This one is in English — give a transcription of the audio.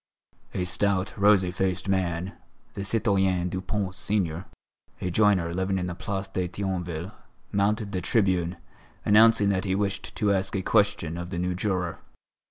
A stout, rosy faced man, the citoyen Dupont senior, a joiner living in the Place de Thionville, mounted the Tribune, announcing that he wished to ask a question of the new juror.